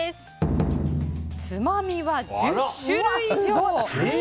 つまみは１０種類以上。